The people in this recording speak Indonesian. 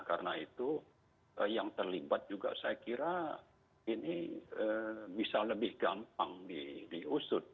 karena itu yang terlibat juga saya kira ini bisa lebih gampang diusut